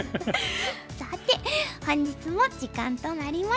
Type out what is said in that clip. さて本日も時間となりました。